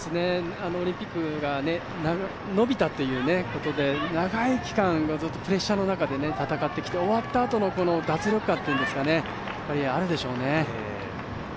オリンピックが伸びたということで、長い期間ずっとプレッシャーの中で戦ってきて終わったあとの脱力感があるでしょうね。